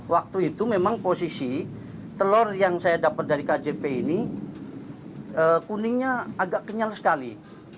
waktu itu memang posisi telur yang saya dapat dari kjp ini kuningnya agak kenyal sekali